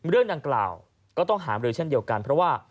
เรื่องดังกล่าวก็ต้องหามรือเช่นเดียวกันเพราะว่า